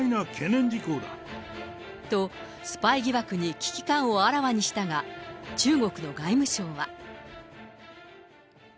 と、スパイ疑惑に危機感をあらわにしたが、中国の外務省は。